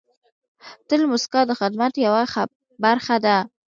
تل موسکا د خدمت یوه برخه ده.